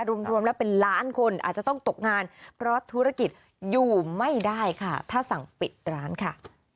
รวมแล้วเป็นล้านคนอาจจะต้องตกงานเพราะธุรกิจอยู่ไม่ได้ค่ะถ้าสั่งปิดร้านค่ะ